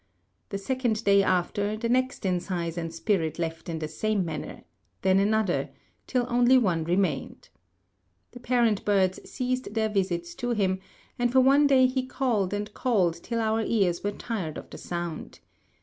The second day after, the next in size and spirit left in the same manner; then another, till only one remained. The parent birds ceased their visits to him, and for one day he called and called till our ears were tired of the sound.